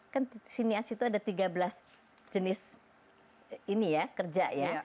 kan sinias itu ada tiga belas jenis kerja ya